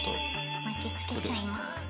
巻きつけちゃいます。